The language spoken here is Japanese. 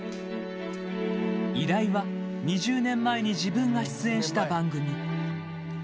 依頼は、２０年前に自分が出演した番組。